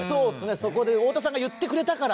そこで太田さんが言ってくれたから。